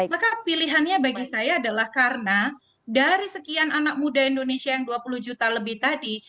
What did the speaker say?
maka pilihannya bagi saya adalah karena dari sekian anak muda indonesia yang dua puluh juta lebih tadi